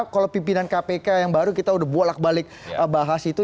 kalau pimpinan kpk yang baru kita udah bolak balik bahas itu